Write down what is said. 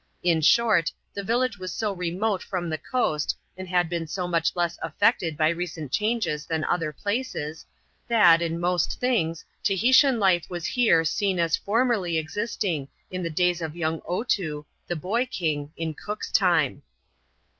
In short, the village was so remote from the coast, and had been so much less affected by recent changes than other places, that, in most things, Tahitian life was here seen as formerly existing in the days of young Otoo, the boy king, in Coca's time.